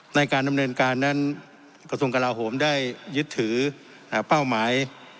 ในการดำเนินการนั้นกระทรวงกลาโหมได้ยึดถือเป้าหมาย